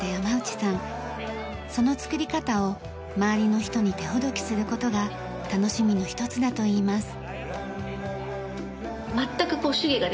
その作り方を周りの人に手ほどきする事が楽しみの一つだといいます。